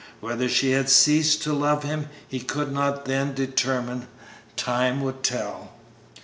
Whether she had ceased to love him he could not then determine; time would tell.